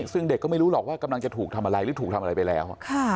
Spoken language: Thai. ซึ่งเด็กก็ไม่รู้หรอกว่ากำลังจะถูกทำอะไรหรือถูกทำอะไรไปแล้ว